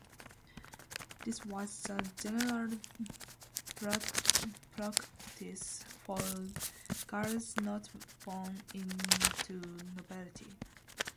This was the general practice for girls not born into nobility.